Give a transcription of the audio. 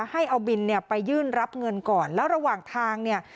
ให้เอาบินเนี่ยไปยื่นรับเงินก่อนแล้วระหว่างทางเนี่ย